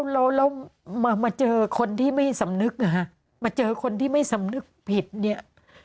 แล้วมาเจอคนที่ไม่สำนึกนะฮะมาเจอคนที่ไม่สำนึกผิดเนี่ย